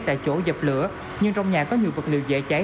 tại chỗ dập lửa nhưng trong nhà có nhiều vật liệu dễ cháy